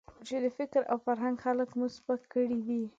چې د فکر او فرهنګ خلک مو سپک کړي دي.